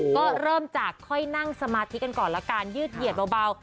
ก็เริ่มจากค่อยนั่งสมาธิกันก่อนละกันยืดเหยียดเบา